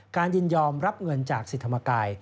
การยืนยอมรับเงินจากศรีธรรมกาย